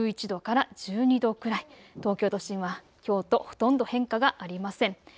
１１度から１２度くらい、東京都心はきょうとほとんど変化がありません。